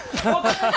ハハハハ！